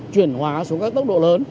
chuyển hóa xuống các tốc độ lớn